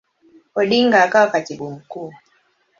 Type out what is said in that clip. Odinga akawa Katibu Mkuu.